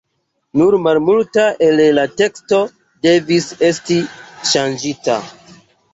Nur malmulta el la teksto devis esti ŝanĝita.